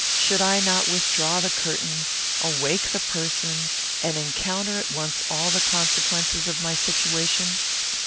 Should I not withdraw the curtain, awake the person, and encounter at once all the consequences of my situation?